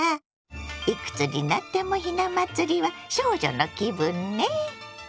いくつになってもひな祭りは少女の気分ね。